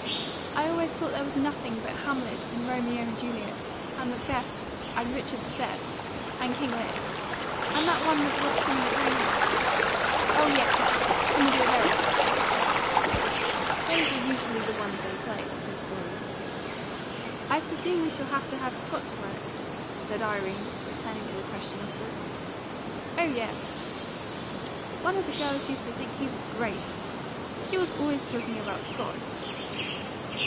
I always thought there was nothing but 'Hamlet' and 'Romeo and Juliet' and 'Macbeth' and 'Richard III.' and 'King Lear,' and that one that Robeson and Crane have oh yes! 'Comedy of Errors.'" "Those are the ones they usually play," said Corey. "I presume we shall have to have Scott's works," said Irene, returning to the question of books. "Oh yes." "One of the girls used to think he was GREAT. She was always talking about Scott."